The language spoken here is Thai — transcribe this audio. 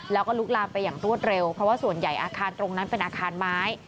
แล้วก็ลุกลามไปอย่างรวดเร็วเพราะว่าส่วนใหญ่อาคารตรงนั้นเป็นอาคารไม้